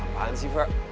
apaan sih pak